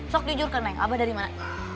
sok jujur ke neng abah dari mana